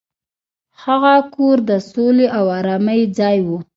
هغه کور د سولې او ارامۍ ځای و.